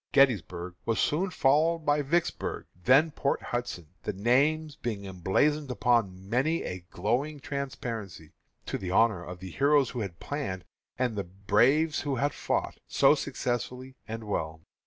Gettysburg was soon followed by Vicksburg, then Port Hudson, the names being emblazoned upon many a glowing transparency, to the honor of the heroes who had planned, and the braves who had fought, so successfully and well.